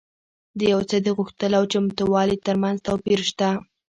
د يو څه د غوښتلو او چمتووالي ترمنځ توپير شته.